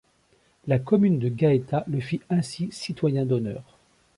La commune de Gaeta le fit ainsi citoyen d'honneur.